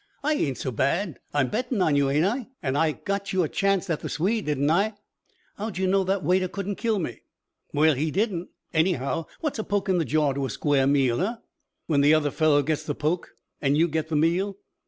"I ain't so bad. I'm bettin' on you, ain't I? An' I got you a chancet at the Swede, didn't I?" "How'd you know that waiter couldn't kill me?" "Well he didn't. Anyhow, what's a poke in the jaw to a square meal, eh?" "When the other fellow gets the poke and you get the meal.